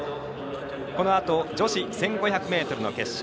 このあと、女子１５００ｍの決勝。